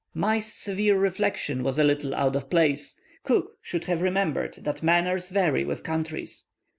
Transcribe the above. Mai's severe reflection was a little out of place, Cook should have remembered that manners vary with countries.